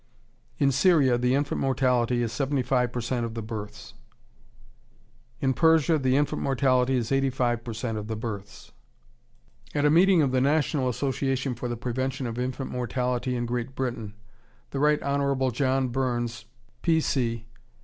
In Syria the infant mortality is 75% of the births. In Persia the infant mortality is 85% of the births. At a meeting of the National Association for the Prevention of Infant Mortality in Great Britain, the Right Honorable John Burns, P. C.